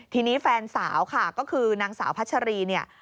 ทีนี้แฟนสาวค่ะก็คือนางสาวพัชรีเนี่ย